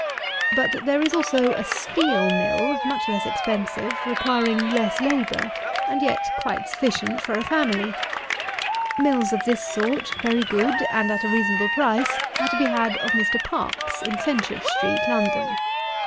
But there is also a steel mill, much less expensive, requiring less labour, and yet quite sufficient for a family. Mills of this sort, very good, and at a reasonable price, are to be had of Mr. PARKES, in Fenchurch street, London.